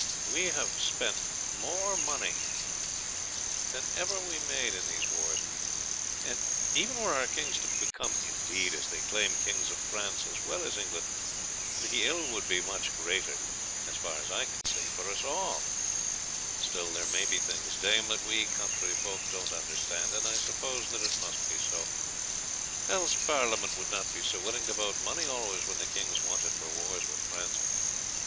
We have spent more money than ever we made in these wars, and even were our kings to become indeed, as they claim, kings of France as well as England, the ill would be much greater, as far as I can see, for us all. Still there may be things, dame, that we country folks don't understand, and I suppose that it must be so, else Parliament would not be so willing to vote money always when the kings want it for wars with France.